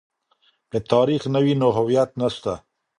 که تاريخ نه وي نو هويت نسته.